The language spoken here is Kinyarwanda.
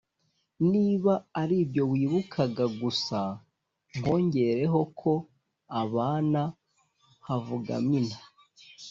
niba aribyo wibukaga gusa, nkongerehoko aba na havugamina